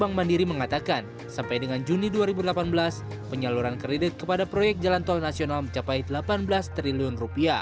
bank mandiri mengatakan sampai dengan juni dua ribu delapan belas penyaluran kredit kepada proyek jalan tol nasional mencapai rp delapan belas triliun